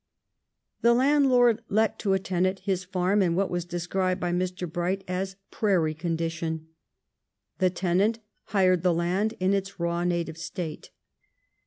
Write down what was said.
The landlord let to a tenant his farm in what was described by Mr. Bright as prairie condition. The tenant hired the land in its raw, native state.